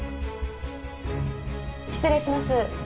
失礼します。